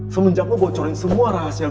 semenjak lo bocorin semua rahasia gue